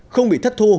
không bị thất thu